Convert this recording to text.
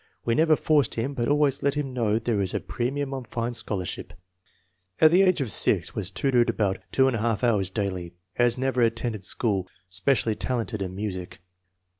" We never forced him, but always let him know there is a premium on fine scholarship." At the age of 6 was tutored about 2 J hours daily. Has never attended school. Specially talented in music.